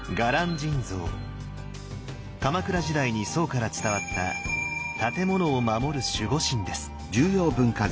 鎌倉時代に宋から伝わった建物を守る守護神です。